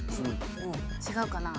違うかな？